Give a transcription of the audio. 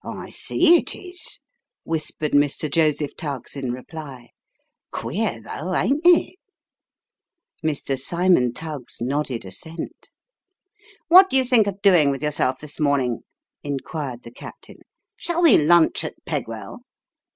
" I see it is," whispered Mr. Joseph Tuggs in reply. " Queer, though ain't it?" Mr. Cymon Tuggs nodded assent. " What do you think of doing with yourself this morning ?" inquired the captain. " Shall we lunch at Pegwell